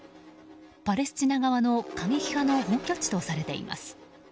パレスチナ側の過激派の本拠地とされています。